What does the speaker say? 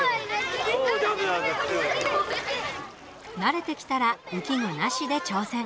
慣れてきたら浮き具なしで挑戦。